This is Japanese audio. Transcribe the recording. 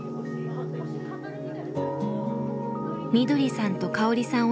みどりさんと香織さん